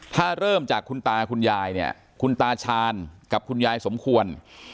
ถ้าเริ่มจากคุณตาคุณยายเนี่ยคุณตาชาญกับคุณยายสมควร